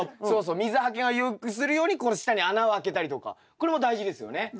そうそう水はけをよくするようにこの下に穴をあけたりとかこれも大事ですよね？